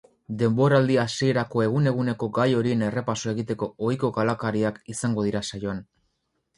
Denboraldi hasierako egun-eguneko gai horien errepasoa egiteko ohiko kalakariak izango dira saioan.